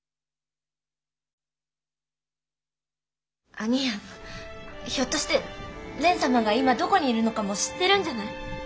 兄やんひょっとして蓮様が今どこにいるのかも知ってるんじゃない？